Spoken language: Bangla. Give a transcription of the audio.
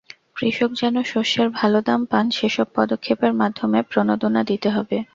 কৃষক যেন শস্যের ভালো দাম পান, সেসব পদক্ষেপের মাধ্যমে প্রণোদনা দিতে হবে।